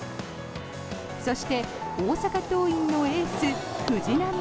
そして、大阪桐蔭のエース藤浪。